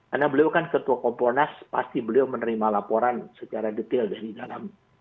karena beliau kan ketua komponas pasti beliau menerima laporan secara detail dari dalam